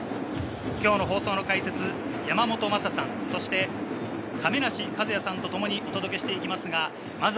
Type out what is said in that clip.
放送の解説は山本昌さん、亀梨和也さんとともにお届けしていきます。